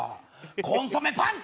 コンソメパンチ！